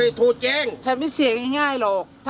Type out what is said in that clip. ก็เลยโทรแจ้งฉันไม่เสียง่ายง่ายหรอกใช่